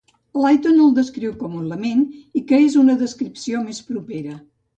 Layton el descriu com un lament i que és una descripció més propera.